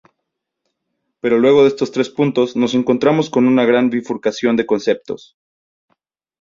Pero luego de estos tres puntos, nos encontramos con una gran bifurcación de conceptos.